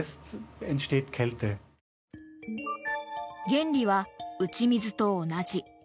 原理は打ち水と同じ。